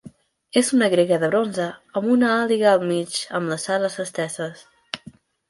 És una grega de bronze amb una àliga al mig amb les ales esteses.